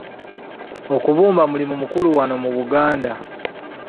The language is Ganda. Okubumba mulimu mukulu wano mu Buganda.